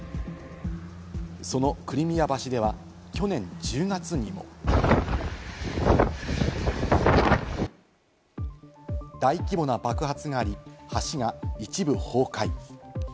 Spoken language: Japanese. そのクリミア橋では去年１０月にも。大規模な爆発があり、橋が一部崩壊。